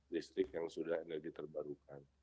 listrik yang sudah energi terbarukan